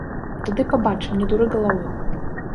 Тады пабачым, не дуры галавы!